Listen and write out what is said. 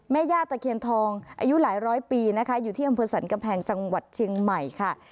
แม่ย่าตะเคียนทองอายุหลายร้อยปีนะคะอยู่ที่อำเภอสรรกำแพงจังหวัดเชียงใหม่ค่ะ